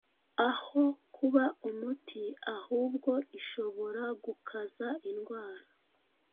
aho kuba umuti ahubwo ishobora gukaza indwara.